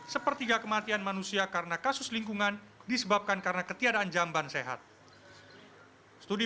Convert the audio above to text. sepertiga kematian manusia karena kasus lingkungan disebabkan karena ketiadaan jamban sehat studi